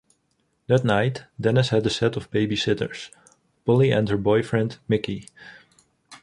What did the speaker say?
That night, Dennis has a set of babysitters; Polly and her boyfriend, Mickey.